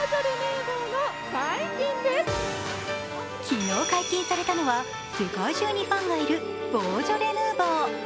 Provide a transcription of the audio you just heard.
昨日解禁されたのは世界中にファンがいるボージョレ・ヌーボー。